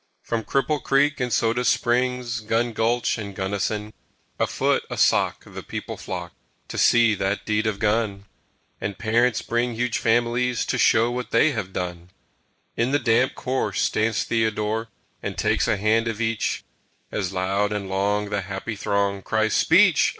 From Cripple Creek and Soda Springs, Gun Gulch and Gunnison, A foot, a sock, the people flock To see that deed of gun; And parents bring huge families To show what they have done. In the damp corse stands Theodore And takes a hand of each, As loud and long the happy throng Cries, "Speech!"